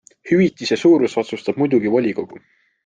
Hüvitise suuruse otsustab muidugi volikogu.